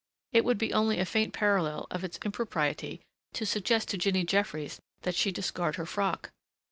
It would be only a faint parallel of its impropriety to suggest to Jinny Jeffries that she discard her frock.